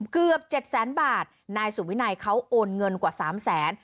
เกือบเจ็ดแสนบาทนายสุวินัยเขาโอนเงินกว่าสามแสน